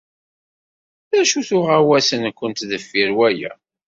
D acu-t uɣawas-nwent deffir waya?